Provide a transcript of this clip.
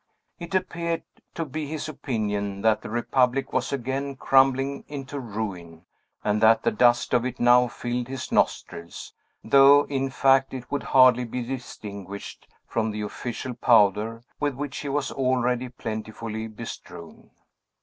It appeared to be his opinion that the Republic was again crumbling into ruin, and that the dust of it now filled his nostrils; though, in fact, it would hardly be distinguished from the official powder with which he was already plentifully bestrewn.